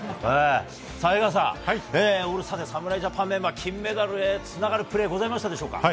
江川さん、オールスターで侍ジャパンメンバーの金メダルへつながるプレーございましたでしょうか。